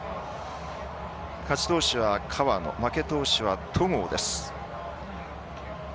勝ち投手は河野負け投手は戸郷です。